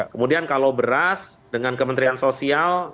kemudian kalau beras dengan kementerian sosial